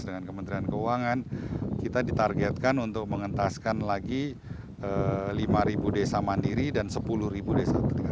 dengan kementerian keuangan kita ditargetkan untuk mengentaskan lagi lima desa mandiri dan sepuluh desa tertinggal